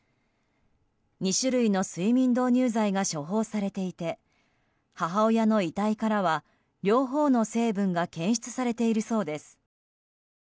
２種類の睡眠導入剤が処方されていて母親の遺体からは、両方の成分が検出されているそうです。